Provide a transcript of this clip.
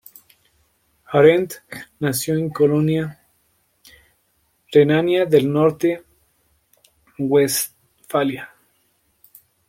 Arendt nació en Colonia, Renania del Norte-Westfalia.